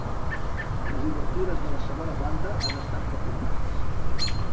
Les obertures de la segona planta han estat reformades.